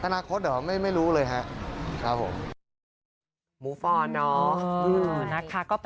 นะคะก็เป็นกับ